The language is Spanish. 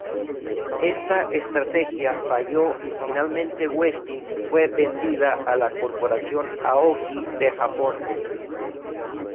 Esta estrategia falló y finalmente Westin fue vendida a la Corporación Aoki de Japón.